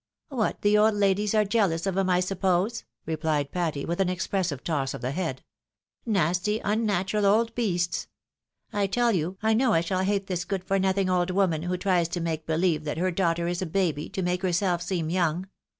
" What, the old ladies are jealous of 'em, I suppose," repHed Patty, vfith an expressive toss of the head. "Nasty, un 102 THE WIDOW MARRIED. natural, old beasts ! I tell you, I know I shall hate this good for nothing old woman, who tries to make believe that her daughter is a baby, to make herself seem young.